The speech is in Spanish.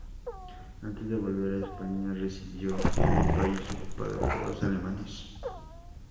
Antes de volver a España residió en el París ocupado por los alemanes.